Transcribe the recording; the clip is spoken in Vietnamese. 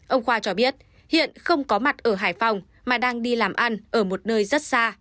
ông khoa cho biết hiện không có mặt ở hải phòng mà đang đi làm ăn ở một nơi rất xa